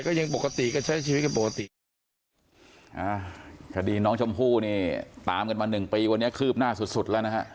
ก็ยังปกติก็ใช้ชีวิตกันปกติ